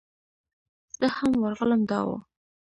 زه هم ورغلم دا و.